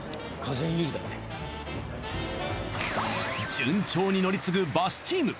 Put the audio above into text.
順調に乗り継ぐバスチーム。